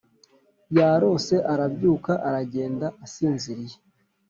yarose arabyuka aragenda asinziriye